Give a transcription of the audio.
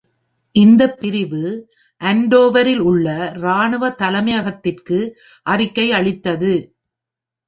இந்த பிரிவு அன்டோவரில் உள்ள ராணுவ தலைமையகத்திற்கு அறிக்கை அளித்தது.